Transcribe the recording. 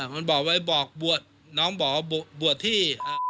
มันบอกไว้บอกบวชน้องบอกว่าบวชที่